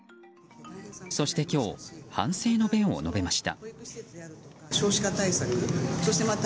そして今日反省の弁を述べました。